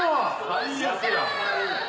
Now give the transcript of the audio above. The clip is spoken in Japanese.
最悪やん。